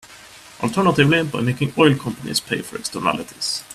Alternatively, by making oil companies pay for externalities.